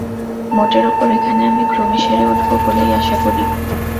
মোটের উপর এখানে আমি ক্রমে সেরে উঠব বলেই আশা করি।